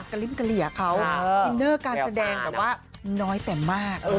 ลิ้มกะเหลี่ยเขาอินเนอร์การแสดงแบบว่าน้อยแต่มาก